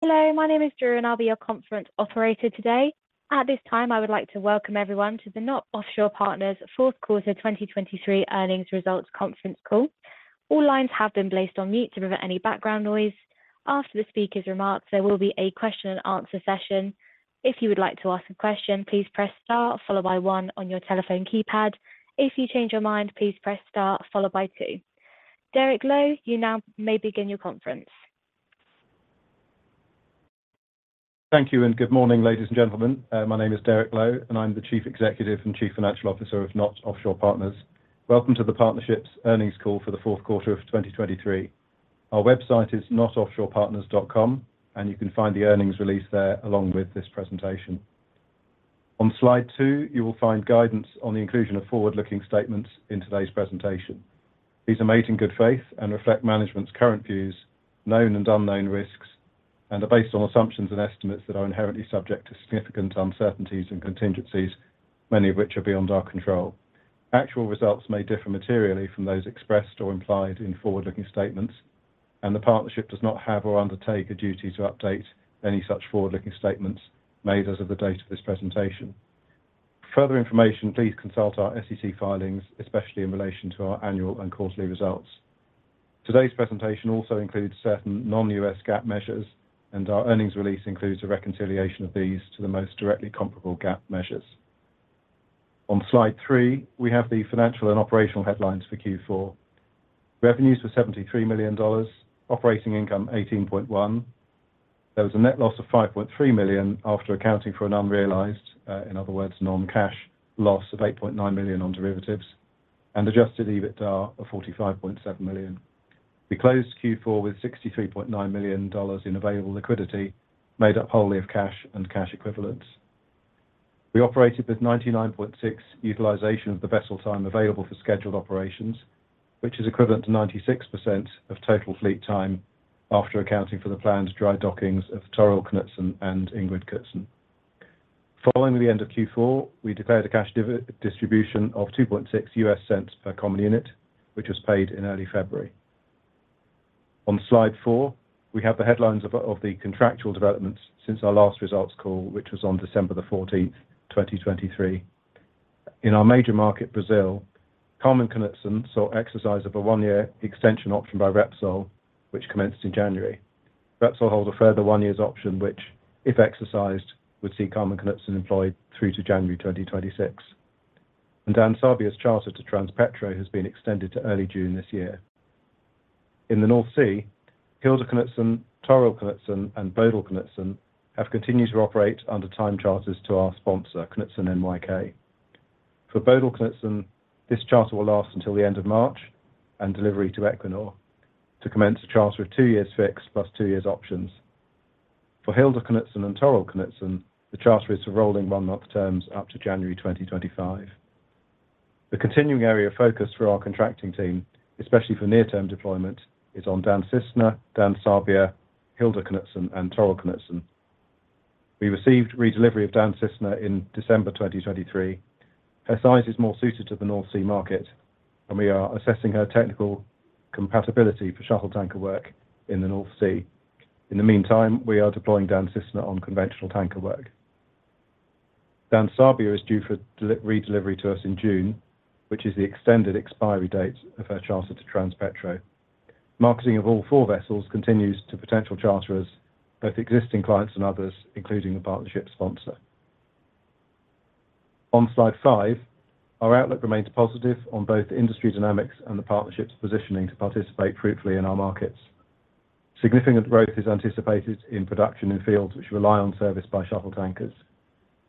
Hello, my name is Drew, and I'll be your conference operator today. At this time, I would like to welcome everyone to the KNOT Offshore Partners Fourth Quarter 2023 Earnings Results Conference Call. All lines have been placed on mute to prevent any background noise. After the speaker's remarks, there will be a question and answer session. If you would like to ask a question, please press Star, followed by one on your telephone keypad. If you change your mind, please press Star, followed by two. Derek Lowe, you now may begin your conference. Thank you, and good morning, ladies and gentlemen. My name is Derek Lowe, and I'm the Chief Executive and Chief Financial Officer of KNOT Offshore Partners. Welcome to the Partnership's Earnings Call for the Fourth Quarter of 2023. Our website is knotoffshorepartners.com, and you can find the earnings release there along with this presentation. On Slide 2, you will find guidance on the inclusion of forward-looking statements in today's presentation. These are made in good faith and reflect management's current views, known and unknown risks, and are based on assumptions and estimates that are inherently subject to significant uncertainties and contingencies, many of which are beyond our control. Actual results may differ materially from those expressed or implied in forward-looking statements, and the partnership does not have or undertake a duty to update any such forward-looking statements made as of the date of this presentation. For further information, please consult our SEC filings, especially in relation to our annual and quarterly results. Today's presentation also includes certain non-GAAP measures, and our earnings release includes a reconciliation of these to the most directly comparable GAAP measures. On Slide 3, we have the financial and operational headlines for Q4. Revenues were $73 million, operating income $18.1 million. There was a net loss of $5.3 million after accounting for an unrealized, in other words, non-cash loss of $8.9 million on derivatives and Adjusted EBITDA of $45.7 million. We closed Q4 with $63.9 million in available liquidity, made up wholly of cash and cash equivalents. We operated with 99.6 utilization of the vessel time available for scheduled operations, which is equivalent to 96% of total fleet time after accounting for the planned dry dockings of Torill Knutsen and Ingrid Knutsen. Following the end of Q4, we declared a cash distribution of $0.026 per common unit, which was paid in early February. On Slide 4, we have the headlines of the contractual developments since our last results call, which was on December the fourteenth, 2023. In our major market, Brazil, Carmen Knutsen saw exercise of a 1-year extension option by Repsol, which commenced in January. Repsol holds a further 1 year's option, which, if exercised, would see Carmen Knutsen employed through to January 2026. And Dan Sabia's charter to Transpetro has been extended to early June this year. In the North Sea, Hilda Knutsen, Torill Knutsen, and Bodil Knutsen have continued to operate under time charters to our sponsor, Knutsen NYK. For Bodil Knutsen, this charter will last until the end of March and delivery to Equinor to commence a charter of 2 years fixed plus 2 years options. For Hilda Knutsen and Torill Knutsen, the charter is to rolling 1-month terms up to January 2025. The continuing area of focus for our contracting team, especially for near-term deployment, is on Dan Cisne, Dan Sabia, Hilda Knutsen, and Torill Knutsen. We received redelivery of Dan Cisne in December 2023. Her size is more suited to the North Sea market, and we are assessing her technical compatibility for shuttle tanker work in the North Sea. In the meantime, we are deploying Dan Cisne on conventional tanker work. Dan Sabia is due for redelivery to us in June, which is the extended expiry date of her charter to Transpetro. Marketing of all four vessels continues to potential charterers, both existing clients and others, including the partnership sponsor. On Slide 5, our outlook remains positive on both the industry dynamics and the partnership's positioning to participate fruitfully in our markets. Significant growth is anticipated in production in fields which rely on service by shuttle tankers.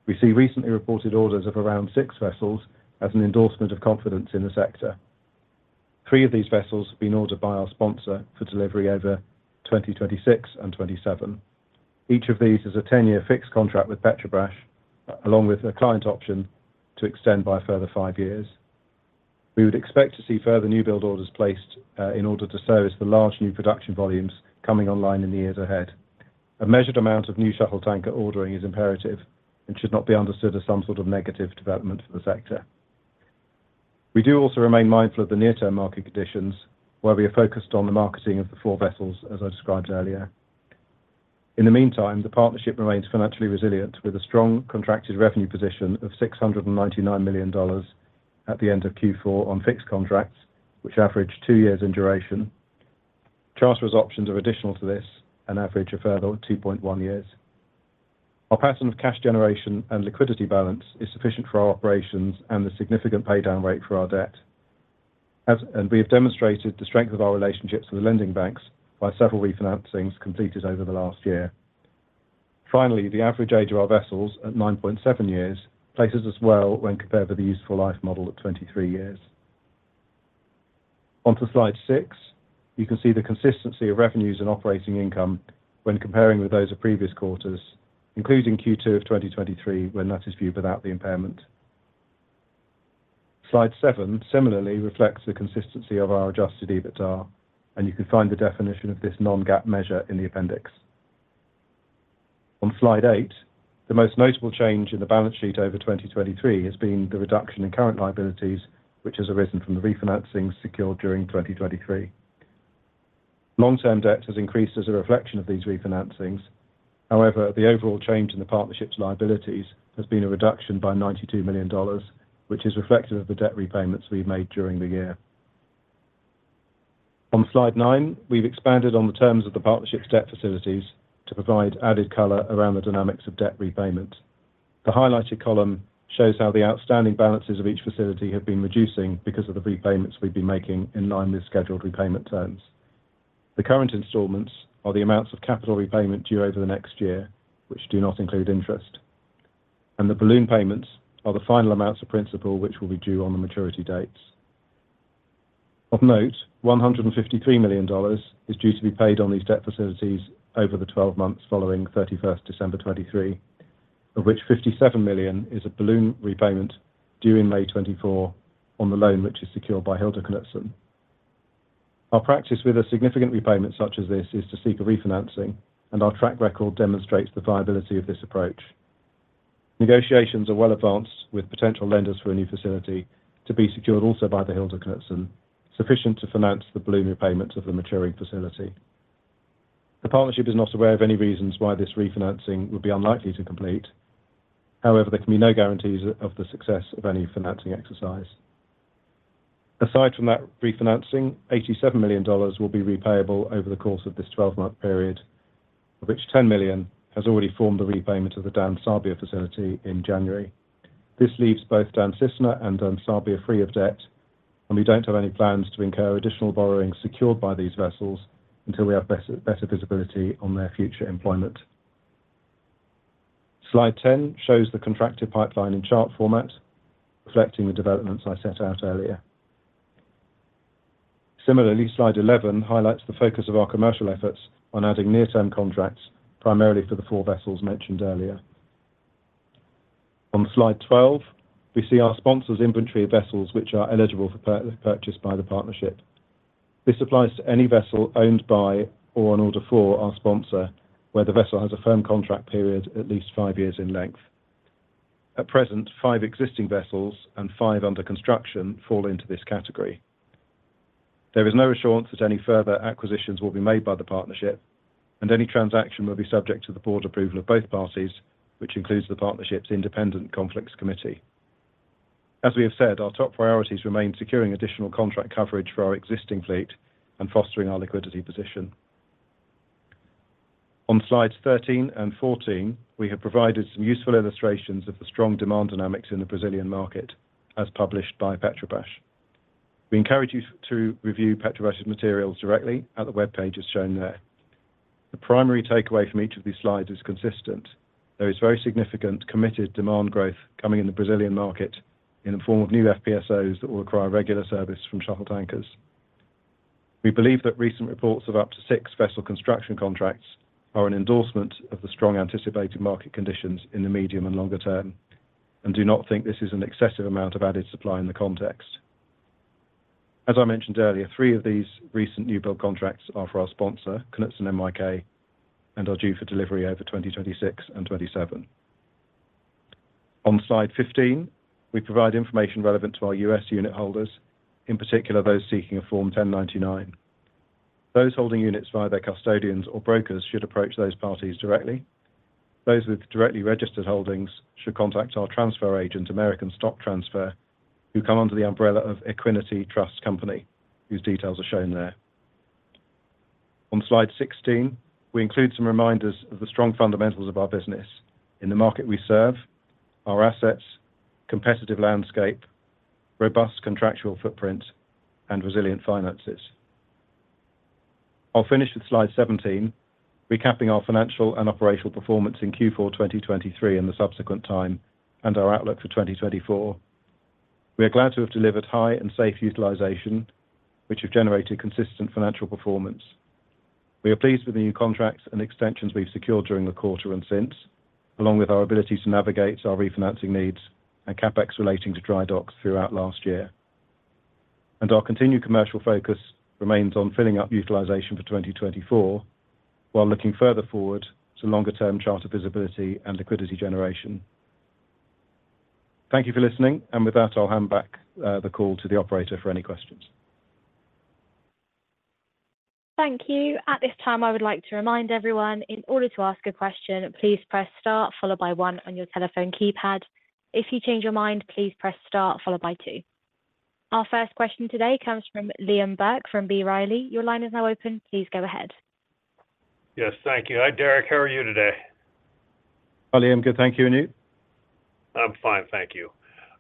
We see recently reported orders of around six vessels as an endorsement of confidence in the sector. Three of these vessels have been ordered by our sponsor for delivery over 2026 and 2027. Each of these is a 10-year fixed contract with Petrobras, along with a client option to extend by a further five years. We would expect to see further new build orders placed, in order to service the large new production volumes coming online in the years ahead. A measured amount of new shuttle tanker ordering is imperative and should not be understood as some sort of negative development for the sector. We do also remain mindful of the near-term market conditions, where we are focused on the marketing of the four vessels, as I described earlier. In the meantime, the partnership remains financially resilient, with a strong contracted revenue position of $699 million at the end of Q4 on fixed contracts, which average two years in duration. Charterers' options are additional to this and average a further 2.1 years. Our pattern of cash generation and liquidity balance is sufficient for our operations and the significant paydown rate for our debt. And we have demonstrated the strength of our relationships with the lending banks by several refinancings completed over the last year. Finally, the average age of our vessels, at 9.7 years, places us well when compared with the useful life model at 23 years. On to Slide 6, you can see the consistency of revenues and operating income when comparing with those of previous quarters, including Q2 of 2023, when that is viewed without the impairment. Slide 7 similarly reflects the consistency of our Adjusted EBITDA, and you can find the definition of this non-GAAP measure in the appendix. On Slide 8, the most notable change in the balance sheet over 2023 has been the reduction in current liabilities, which has arisen from the refinancings secured during 2023. Long-term debt has increased as a reflection of these refinancings. However, the overall change in the partnership's liabilities has been a reduction by $92 million, which is reflective of the debt repayments we've made during the year. On slide 9, we've expanded on the terms of the partnership's debt facilities to provide added color around the dynamics of debt repayment. The highlighted column shows how the outstanding balances of each facility have been reducing because of the repayments we've been making in line with scheduled repayment terms. The current installments are the amounts of capital repayment due over the next year, which do not include interest, and the balloon payments are the final amounts of principal, which will be due on the maturity dates. Of note, $153 million is due to be paid on these debt facilities over the 12 months following December 31, 2023, of which $57 million is a balloon repayment due in May 2024 on the loan, which is secured by Hilda Knutsen. Our practice with a significant repayment such as this is to seek a refinancing, and our track record demonstrates the viability of this approach. Negotiations are well advanced with potential lenders for a new facility to be secured also by the Hilda Knutsen, sufficient to finance the balloon repayments of the maturing facility. The partnership is not aware of any reasons why this refinancing would be unlikely to complete. However, there can be no guarantees of the success of any financing exercise. Aside from that refinancing, $87 million will be repayable over the course of this 12-month period, of which $10 million has already formed a repayment of the Dan Sabia facility in January. This leaves both Dan Cisne and Dan Sabia free of debt, and we don't have any plans to incur additional borrowing secured by these vessels until we have better, better visibility on their future employment. Slide 10 shows the contracted pipeline in chart format, reflecting the developments I set out earlier. Similarly, slide 11 highlights the focus of our commercial efforts on adding near-term contracts, primarily for the four vessels mentioned earlier. On slide 12, we see our sponsor's inventory of vessels, which are eligible for purchase by the partnership. This applies to any vessel owned by or on order for our sponsor, where the vessel has a firm contract period at least 5 years in length. At present, 5 existing vessels and 5 under construction fall into this category. There is no assurance that any further acquisitions will be made by the partnership, and any transaction will be subject to the board approval of both parties, which includes the partnership's independent conflicts committee. As we have said, our top priorities remain securing additional contract coverage for our existing fleet and fostering our liquidity position. On slides 13 and 14, we have provided some useful illustrations of the strong demand dynamics in the Brazilian market, as published by Petrobras. We encourage you to review Petrobras' materials directly at the web pages shown there. The primary takeaway from each of these slides is consistent. There is very significant committed demand growth coming in the Brazilian market in the form of new FPSOs that will require regular service from shuttle tankers. We believe that recent reports of up to 6 vessel construction contracts are an endorsement of the strong anticipated market conditions in the medium and longer term, and do not think this is an excessive amount of added supply in the context. As I mentioned earlier, 3 of these recent new build contracts are for our sponsor, Knutsen NYK, and are due for delivery over 2026 and 2027. On slide 15, we provide information relevant to our U.S. unit holders, in particular, those seeking a Form 1099. Those holding units via their custodians or brokers should approach those parties directly. Those with directly registered holdings should contact our transfer agent, American Stock Transfer, who come under the umbrella of Equiniti Trust Company, whose details are shown there. On slide 16, we include some reminders of the strong fundamentals of our business in the market we serve, our assets, competitive landscape, robust contractual footprint, and resilient finances. I'll finish with slide 17, recapping our financial and operational performance in Q4 2023 and the subsequent time, and our outlook for 2024. We are glad to have delivered high and safe utilization, which have generated consistent financial performance. We are pleased with the new contracts and extensions we've secured during the quarter and since, along with our ability to navigate our refinancing needs and CapEx relating to dry docks throughout last year. And our continued commercial focus remains on filling up utilization for 2024, while looking further forward to longer-term charter visibility and liquidity generation. Thank you for listening, and with that, I'll hand back, the call to the operator for any questions. Thank you. At this time, I would like to remind everyone, in order to ask a question, please press Star followed by one on your telephone keypad. If you change your mind, please press Star followed by two. Our first question today comes from Liam Burke from B. Riley. Your line is now open. Please go ahead. Yes, thank you. Hi, Derek. How are you today? Hi, Liam. Good, thank you. And you? I'm fine. Thank you.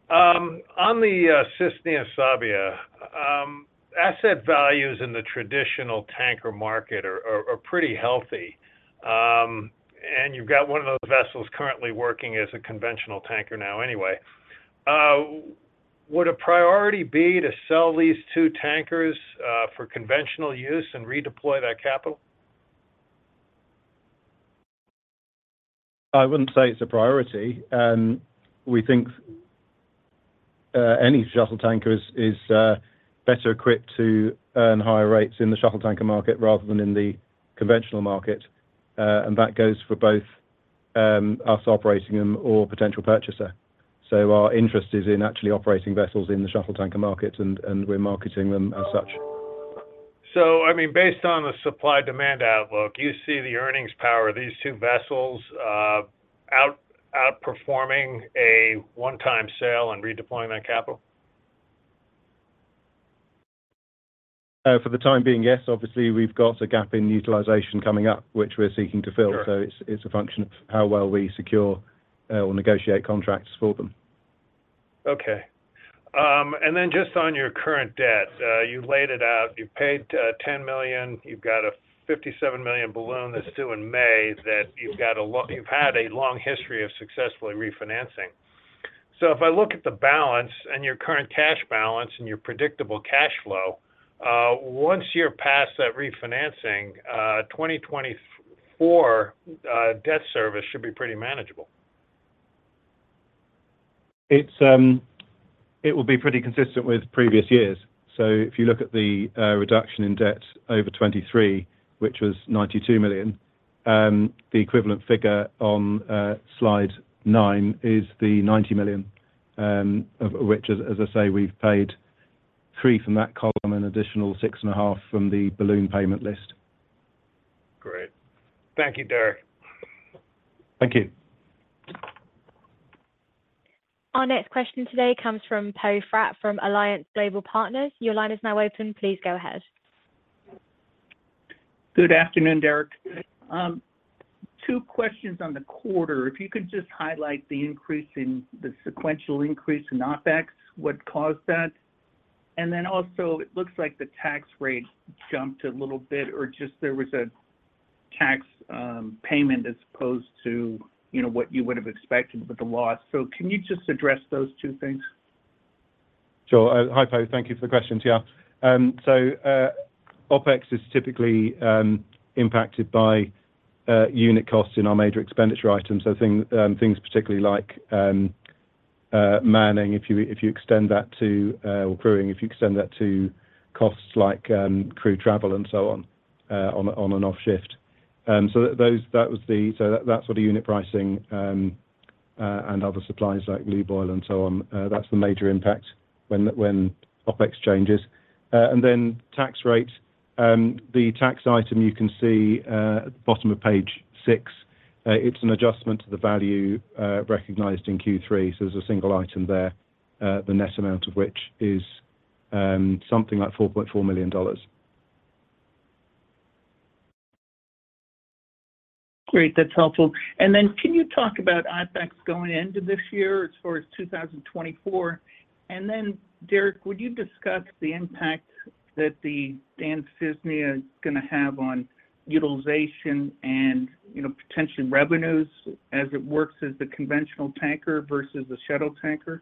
On the Dan Cisne and Dan Sabia, asset values in the traditional tanker market are pretty healthy. And you've got one of those vessels currently working as a conventional tanker now anyway. Would a priority be to sell these two tankers for conventional use and redeploy that capital? I wouldn't say it's a priority. We think any shuttle tanker is better equipped to earn higher rates in the shuttle tanker market rather than in the conventional market. And that goes for both us operating them or potential purchaser. So our interest is in actually operating vessels in the shuttle tanker market, and, and we're marketing them as such. So, I mean, based on the supply-demand outlook, you see the earnings power of these two vessels, outperforming a one-time sale and redeployment of capital? For the time being, yes. Obviously, we've got a gap in utilization coming up, which we're seeking to fill. Sure. It's a function of how well we secure or negotiate contracts for them. Okay. And then just on your current debt, you laid it out, you've paid $10 million, you've got a $57 million balloon that's due in May, you've had a long history of successfully refinancing. So if I look at the balance and your current cash balance and your predictable cash flow, once you're past that refinancing, 2024 debt service should be pretty manageable. It will be pretty consistent with previous years. So if you look at the reduction in debt over 2023, which was $92 million, the equivalent figure on slide 9 is the $90 million, of which, as I say, we've paid $3 million from that column, an additional $6.5 million from the Balloon Payment list. Great. Thank you, Derek. Thank you. Our next question today comes from Poe Fratt from Alliance Global Partners. Your line is now open. Please go ahead. Good afternoon, Derek. Two questions on the quarter. If you could just highlight the sequential increase in OpEx, what caused that? And then also, it looks like the tax rate jumped a little bit, or just there was a tax payment as opposed to, you know, what you would have expected with the loss. So can you just address those two things? Sure. Hi, Poe. Thank you for the questions. Yeah. So, OpEx is typically impacted by unit costs in our major expenditure items. So things particularly like manning, if you extend that to or crewing, if you extend that to costs like crew travel and so on, on an off shift. So those, that was the - so that's what the unit pricing and other supplies like lube oil and so on, that's the major impact when OpEx changes. And then tax rates. The tax item you can see at the bottom of page 6. It's an adjustment to the value recognized in Q3, so there's a single item there, the net amount of which is something like $4.4 million. Great, that's helpful. And then, can you talk about OpEx going into this year as far as 2024? And then, Derek, would you discuss the impact that the Dan Cisne is gonna have on utilization and, you know, potential revenues as it works as the conventional tanker versus a shuttle tanker?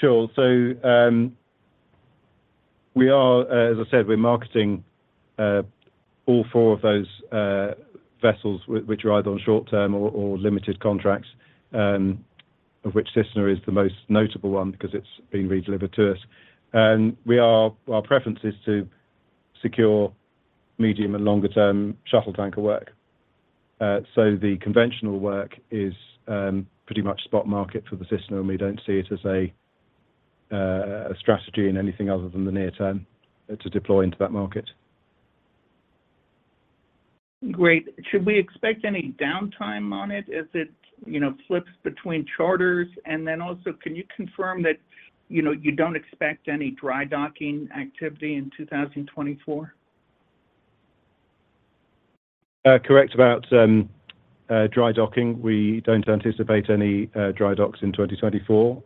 Sure. So, we are, as I said, we're marketing all four of those vessels, which are either on short term or limited contracts, of which Cisne is the most notable one because it's being redelivered to us. Our preference is to secure medium and longer term shuttle tanker work. So the conventional work is pretty much spot market for the Cisne, and we don't see it as a strategy in anything other than the near term to deploy into that market. Great. Should we expect any downtime on it as it, you know, flips between charters? And then also, can you confirm that, you know, you don't expect any dry docking activity in 2024? Correct about dry docking. We don't anticipate any dry docks in 2024.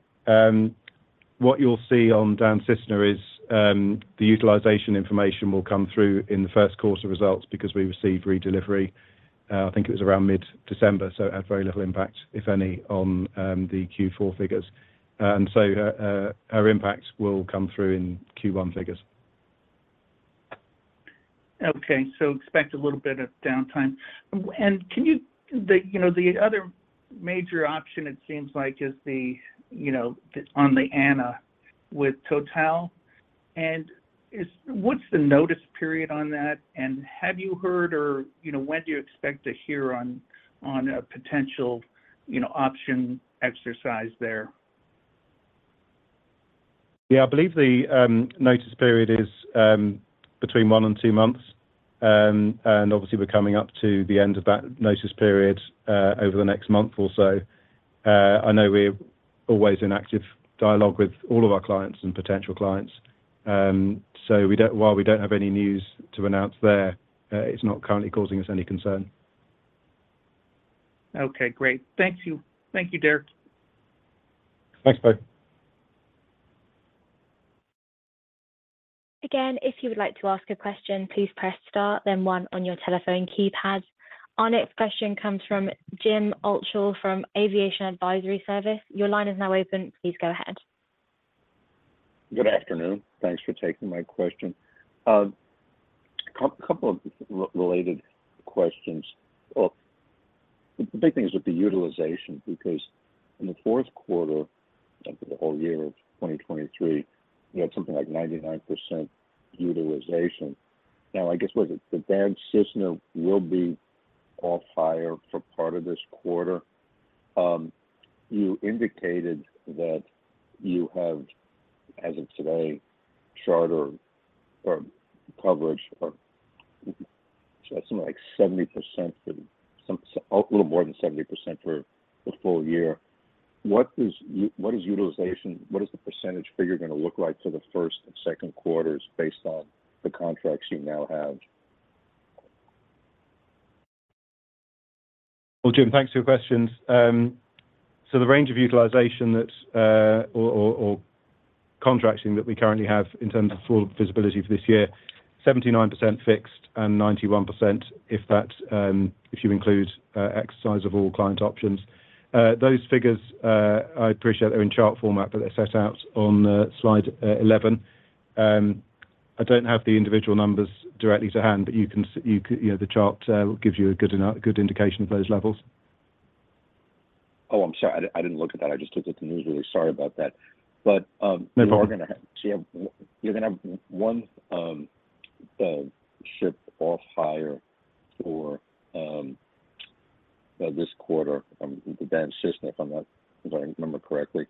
What you'll see on Dan Cisne is the utilization information will come through in the first quarter's results because we received redelivery, I think it was around mid-December, so it had very little impact, if any, on the Q4 figures. And so, our impact will come through in Q1 figures. Okay. So expect a little bit of downtime. And can you, you know, the other major option, it seems like, is, you know, on the Anna with Total. And what's the notice period on that, and have you heard or, you know, when do you expect to hear on a potential, you know, option exercise there? Yeah, I believe the notice period is between one and two months. Obviously, we're coming up to the end of that notice period over the next month or so. I know we're always in active dialogue with all of our clients and potential clients. We don't, while we don't have any news to announce there, it's not currently causing us any concern. Okay, great. Thank you. Thank you, Derek. Thanks, Poe. Again, if you would like to ask a question, please press star then one on your telephone keypad. Our next question comes from Jim Altschul from Aviation Advisory Service. Your line is now open. Please go ahead. Good afternoon. Thanks for taking my question. A couple, couple of related questions. Well, the big thing is with the utilization, because in the fourth quarter and for the whole year of 2023, you had something like 99% utilization. Now, I guess, was it the Dan Cisne will be off hire for part of this quarter? You indicated that you have, as of today, charter or coverage or something like 70% for some, a little more than 70% for the full year. What is what is utilization, what is the percentage figure going to look like for the first and second quarters based on the contracts you now have? Well, Jim, thanks for your questions. So the range of utilization that, or contracting that we currently have in terms of full visibility for this year, 79% fixed and 91%, if that, if you include exercise of all client options. Those figures, I appreciate they're in chart format, but they're set out on slide 11. I don't have the individual numbers directly to hand, but you can see, you know, the chart gives you a good enough, a good indication of those levels. Oh, I'm sorry. I didn't look at that. I just looked at the news release. Sorry about that. But, No problem. You're gonna have, so you're gonna have one ship off hire for this quarter, the Dan Cisne, if I remember correctly.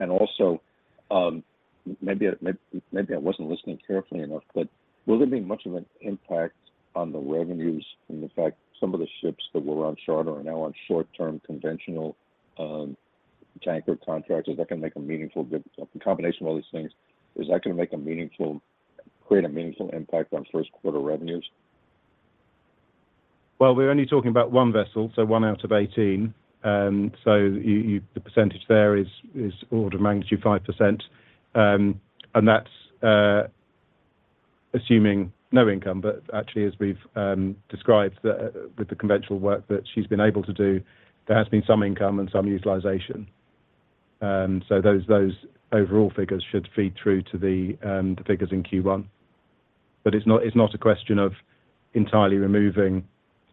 And also, maybe I wasn't listening carefully enough, but will there be much of an impact on the revenues from the fact some of the ships that were on charter are now on short-term, conventional tanker contracts? Is that going to make a meaningful difference? A combination of all these things, is that going to make a meaningful impact on first quarter revenues? Well, we're only talking about one vessel, so 1 out of 18. So the percentage there is order of magnitude 5%. And that's assuming no income, but actually, as we've described, with the conventional work that she's been able to do, there has been some income and some utilization. So those overall figures should feed through to the figures in Q1. But it's not a question of entirely removing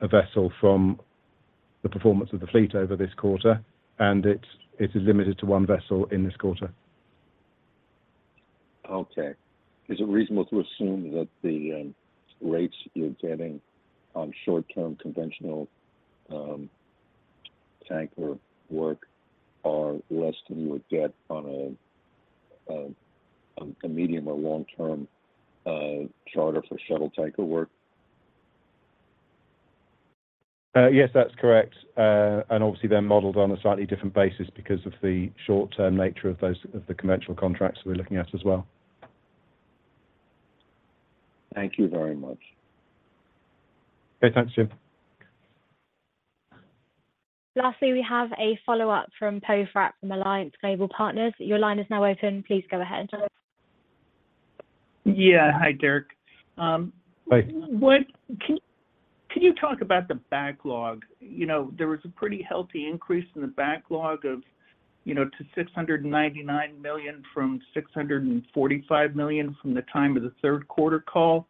a vessel from the performance of the fleet over this quarter, and it is limited to one vessel in this quarter. Okay. Is it reasonable to assume that the rates you're getting on short-term, conventional tanker work are less than you would get on a medium or long-term charter for shuttle tanker work? Yes, that's correct. And obviously, they're modeled on a slightly different basis because of the short-term nature of those, of the conventional contracts we're looking at as well. Thank you very much. Okay, thanks, Jim. Lastly, we have a follow-up from Poe Fratt from Alliance Global Partners. Your line is now open. Please go ahead. Yeah. Hi, Derek. Hi. Can you talk about the backlog? You know, there was a pretty healthy increase in the backlog of, you know, to $699 million from $645 million from the time of the third quarter call.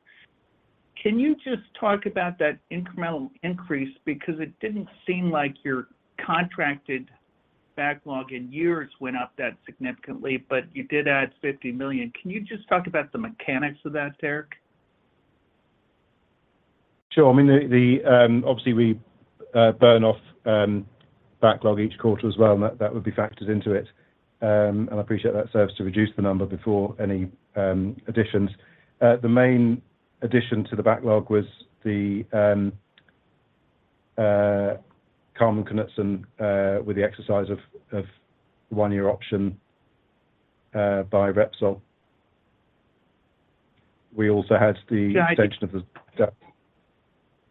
Can you just talk about that incremental increase? Because it didn't seem like your contracted backlog in years went up that significantly, but you did add $50 million. Can you just talk about the mechanics of that, Derek? Sure. I mean, the obviously, we burn off backlog each quarter as well, and that would be factored into it. And I appreciate that serves to reduce the number before any additions. The main addition to the backlog was the Carmen Knutsen with the exercise of one-year option by Repsol. We also had the Yeah, I Extension of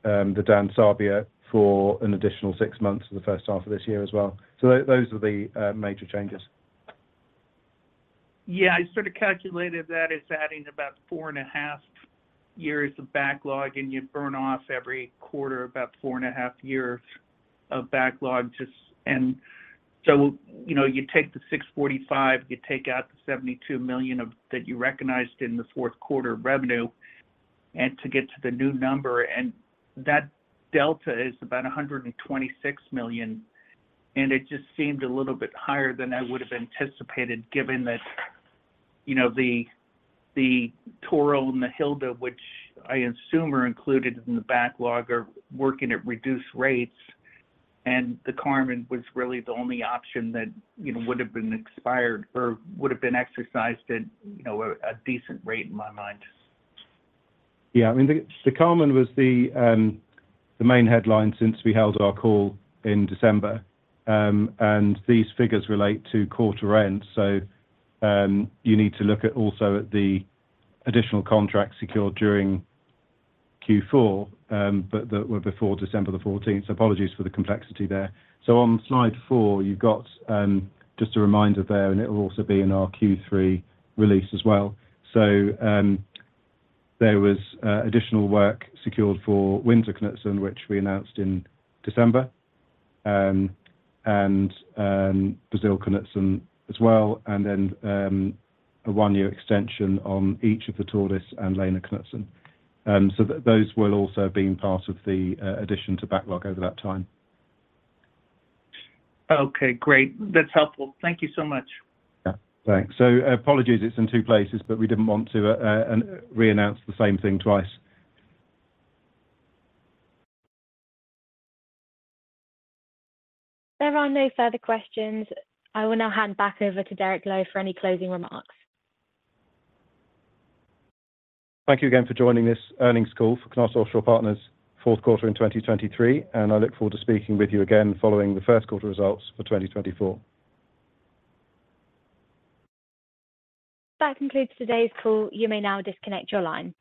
the Dan Sabia for an additional six months for the first half of this year as well. So those are the major changes. Yeah, I sort of calculated that as adding about 4.5 years of backlog, and you burn off every quarter, about 4.5 years of backlog. Just, and so, you know, you take the 645, you take out the $72 million of, that you recognized in the fourth quarter of revenue, and to get to the new number, and that delta is about $126 million. And it just seemed a little bit higher than I would have anticipated, given that, you know, the, the Torill and the Hilda, which I assume are included in the backlog, are working at reduced rates, and the Carmen was really the only option that, you know, would have been expired or would have been exercised at, you know, a, a decent rate in my mind. Yeah, I mean, the Carmen was the main headline since we held our call in December. And these figures relate to quarter end, so you need to look at also at the additional contracts secured during Q4, but that were before December the fourteenth. Apologies for the complexity there. So on slide 4, you've got just a reminder there, and it will also be in our Q3 release as well. So there was additional work secured for Windsor Knutsen, which we announced in December, and Brasil Knutsen as well, and then a 1-year extension on each of the Tordis Knutsen and Lena Knutsen. So those will also been part of the addition to backlog over that time. Okay, great. That's helpful. Thank you so much. Yeah, thanks. So apologies, it's in two places, but we didn't want to re-announce the same thing twice. There are no further questions. I will now hand back over to Derek Lowe for any closing remarks. Thank you again for joining this earnings call for KNOT Offshore Partners' Fourth Quarter in 2023, and I look forward to speaking with you again following the First Quarter Results for 2024. That concludes today's call. You may now disconnect your line.